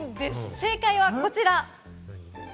正解はこちら。